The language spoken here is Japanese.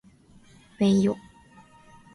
うぇいよ